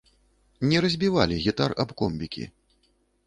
Не разбівалі гітар аб комбікі.